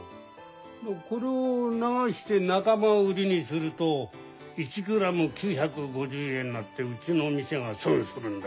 これを流して仲間売りにすると１グラム９５０円になってうちの店が損するんだ。